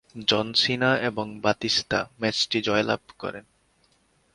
জন Cena এবং Batista ম্যাচটি জয়লাভ করেন।